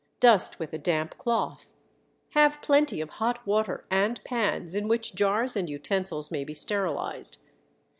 Dust with a damp cloth. Have plenty of hot water and pans in which jars and utensils may be sterilized.